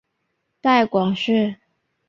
带广市